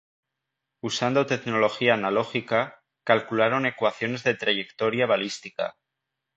Usando tecnología analógica, calcularon ecuaciones de trayectoria balística.